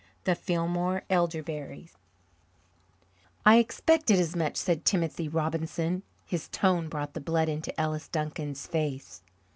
The Fillmore Elderberries "I expected as much," said Timothy Robinson. His tone brought the blood into Ellis Duncan's face.